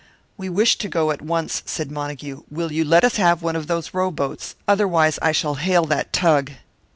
"We wish to go at once," said Montague. "Will you let us have one of those rowboats? Otherwise I shall hail that tug."